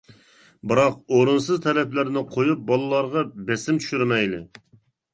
بىراق ئورۇنسىز تەلەپلەرنى قۇيۇپ بالىلارغا بىسىم چۈشۈرمەيلى.